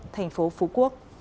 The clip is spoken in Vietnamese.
thành phố phú quốc